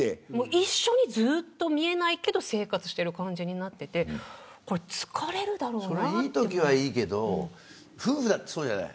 一緒に、ずっと見えないけど生活してる感じになっててそれ、いいときはいいけど夫婦だってそうじゃない。